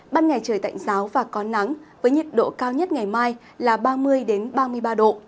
ban ngày trời tạnh giáo và có nắng với nhiệt độ cao nhất ngày mai là ba mươi ba mươi ba độ